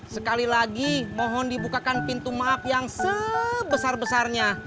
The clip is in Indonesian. sekali lagi mohon dibukakan pintu maaf yang sebesar besarnya